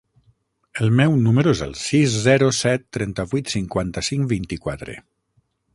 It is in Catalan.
El meu número es el sis, zero, set, trenta-vuit, cinquanta-cinc, vint-i-quatre.